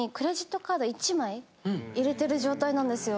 入れてる状態なんですよ。